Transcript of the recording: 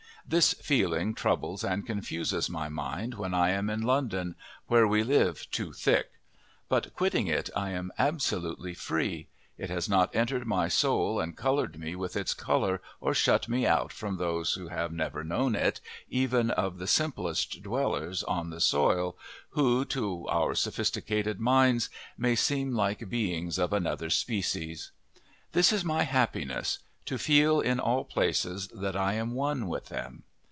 This feeling troubles and confuses my mind when I am in London, where we live "too thick"; but quitting it I am absolutely free; it has not entered my soul and coloured me with its colour or shut me out from those who have never known it, even of the simplest dwellers on the soil who, to our sophisticated minds, may seem like beings of another species. This is my happiness to feel, in all places, that I am one with them.